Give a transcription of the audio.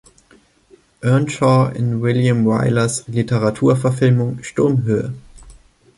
Earnshaw in William Wylers Literaturverfilmung "Sturmhöhe".